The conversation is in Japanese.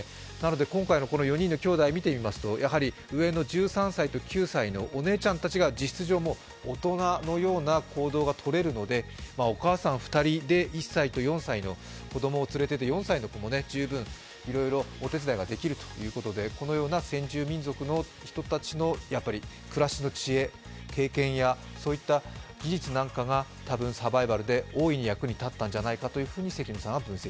今回の４人の兄弟を見てみますとやはり上の１３歳と９歳のお姉ちゃんたちが実質上、大人のような行動がとれるのでお母さん２人で２人の子供と世話をして４歳の子も十分お手伝いができるということでこのような先住民族の人たちの暮らしの知恵、経験や、そういった技術なんかが多分、サバイバルで大いに役に立ったのではないかと思います。